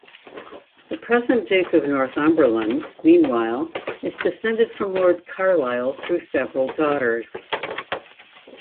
The present Duke of Northumberland, meanwhile, is descended from Lord Carlisle through several daughters.